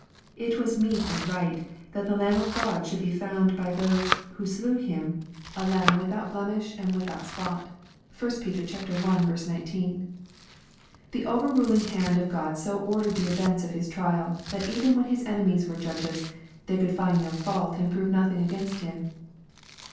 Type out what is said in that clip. It was meet and right that the Lamb of God should be found bv those who slew Him *' a L:imb without blemish 456 EXPOSITORY THOUGHTS. and without spot." (1 Pet. i. 19.) The over ruling hand of God so ordered the events of His trial, that even when His enemies were judges, they could find no fault and prove nothing against Him.